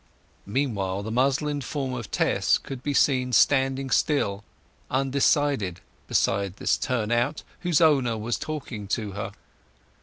Meanwhile the muslined form of Tess could be seen standing still, undecided, beside this turn out, whose owner was talking to her.